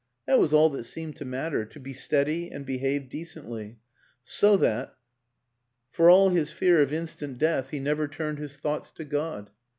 That was all that seemed to matter to be steady and behave decently so that, for all 272 WILLIAM AN ENGLISHMAN his fear of instant death, he never turned his thoughts to God.